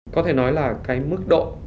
có thể nói là cái mức giao thông của hà nội